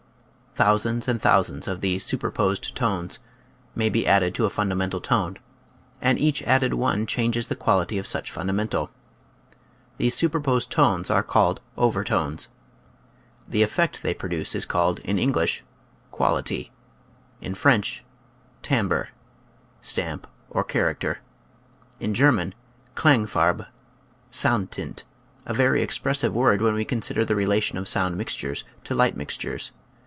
Thousands and thousands of these superposed tones may be added to a fun damental tone, and each added one changes the quality of such fundamental. These super posed tones are called overtones. The effect they produce is called, in English, " quality "; in French, " timbre " (stamp, or character) ; in German, " Klangfarbe " (sound tint), a very expressive word when we consider the relation of sound mixtures to light mixtures.